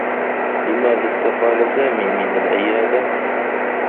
لماذا استقال سامي من العيادة؟